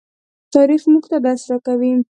تاریخ موږ ته درس راکوي.